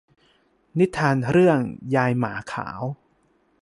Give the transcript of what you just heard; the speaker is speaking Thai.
นิทานเรื่องยายหมาขาว